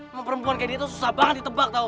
emang perempuan kayak dia tuh susah banget ditebak tau